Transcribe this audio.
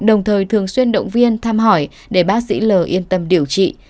đồng thời thường xuyên động viên thăm hỏi để bác sĩ l yên tâm điều trị